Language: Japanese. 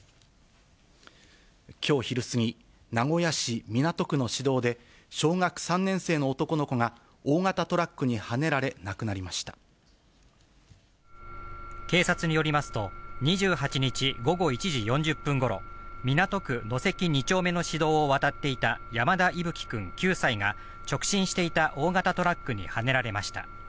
きょう昼過ぎ、名古屋市港区の市道で、小学３年生の男の子が、大型トラックには警察によりますと、２８日午後１時４０分ごろ、港区野跡２丁目の市道を渡っていた山田偉楓君９歳が、直進していた大型トラックにはねられました。